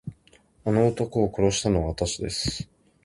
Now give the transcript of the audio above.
あの男を殺したのはわたしです。